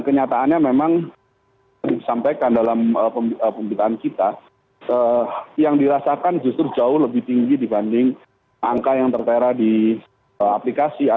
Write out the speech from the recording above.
kenyataannya memang disampaikan dalam pembitaan kita yang dirasakan justru jauh lebih tinggi dibanding angka yang terperangkat di arofah ini